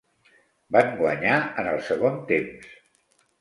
Van guanyar en el segon temps.